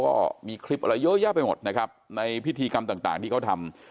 ก็มีคลิปอะไรเยอะแยะไปหมดนะครับในพิธีกรรมต่างที่เขาทำ